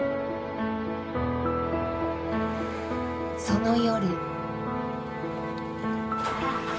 その夜。